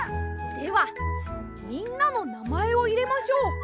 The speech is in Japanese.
ではみんなのなまえをいれましょう。